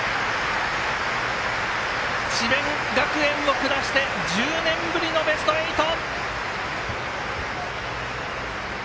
智弁学園を下して１０年ぶりのベスト８。